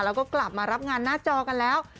แล้วก็กลับมารับงานหน้าจอกันแล้ว